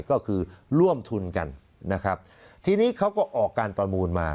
ก็คือร่วมทุนกันนะครับทีนี้เขาก็ออกการประมูลมา